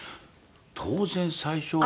当然最初は。